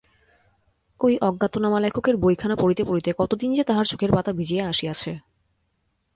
ওই অজ্ঞাতনামা লেখকের বইখানা পড়িতে পড়িতে কতদিন যে তাহার চোখের পাতা ভিজিয়া আসিয়াছে!